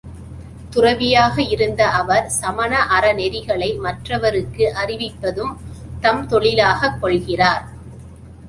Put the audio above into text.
துறவியாக இருந்த அவர் சமண அற நெறிகளை மற்றவர்க்கு அறிவிப்பதும் தம் தொழிலாகக் கொள்கிறார்.